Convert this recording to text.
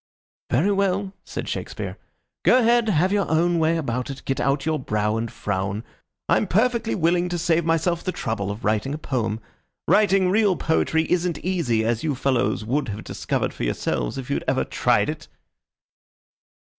"Very well," said Shakespeare. "Go ahead. Have your own way about it. Get out your brow and frown. I'm perfectly willing to save myself the trouble of writing a poem. Writing real poetry isn't easy, as you fellows would have discovered for yourselves if you'd ever tried it."